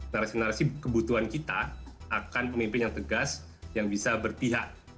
narasi narasi kebutuhan kita akan pemimpin yang tegas yang bisa berpihak